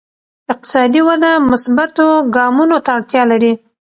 اقتصادي وده مثبتو ګامونو ته اړتیا لري.